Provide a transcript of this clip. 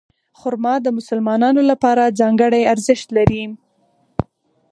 خرما د مسلمانانو لپاره ځانګړی ارزښت لري.